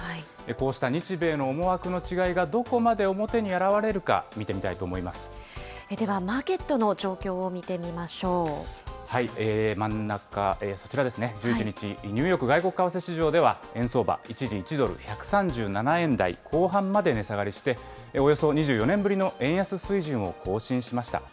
こうした日米の思惑の違いがどこまで表に現れるか、見てみたいとでは、マーケットの状況を見真ん中、そちらですね、１１日、ニューヨーク外国為替市場では円相場、一時１ドル１３７円台後半まで値下がりして、およそ２４年ぶりの円安水準を更新しました。